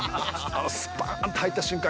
スパーンと入った瞬間